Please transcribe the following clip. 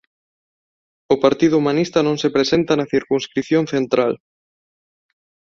O Partido Humanista non se presenta na circunscrición central.